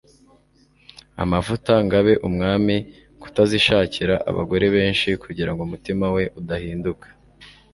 amavuta ngo abe umwami kutazishakira abagore benshi kugira ngo umutima we udahinduka